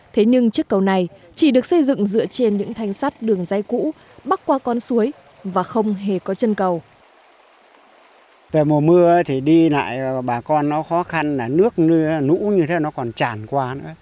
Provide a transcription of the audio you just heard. thế nhưng chiếc cầu này chỉ được xây dựng dựa trên những thanh sắt đường dây cũ bắt qua con suối và không hề có chân cầu